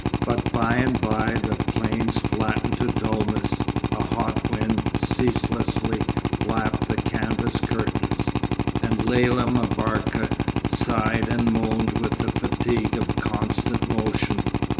But by and by the plains flattened to dullness; a hot wind ceaselessly flapped the canvas curtains, and Lella M'Barka sighed and moaned with the fatigue of constant motion.